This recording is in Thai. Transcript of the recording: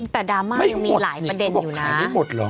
แต่ดราม่ายังมีหลายประเด็นอยู่นะไม่หมดนี่เขาบอกขายไม่หมดเหรอ